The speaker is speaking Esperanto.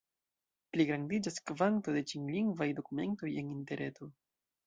Pligrandiĝas kvanto de ĉinlingvaj dokumentoj en Interreto.